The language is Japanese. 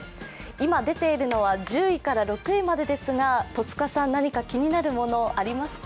今出ているのは１０位から６位までですが、戸塚さん、何か気になるものありますか？